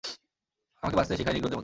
আমাকে বাচতে শিখায় নিগ্রোদের মত।